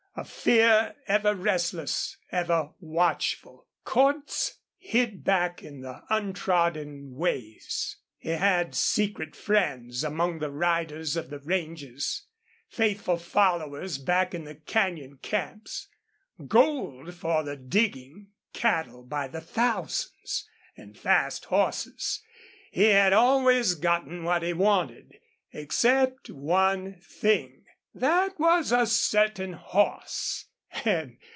A fear ever restless, ever watchful. Cordts hid back in the untrodden ways. He had secret friends among the riders of the ranges, faithful followers back in the canyon camps, gold for the digging, cattle by the thousand, and fast horses. He had always gotten what he wanted except one thing. That was a certain horse.